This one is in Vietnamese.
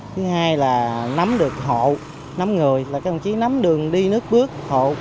thứ hai là nắm được hộ nắm người là các đồng chí nắm đường đi nước bước hộ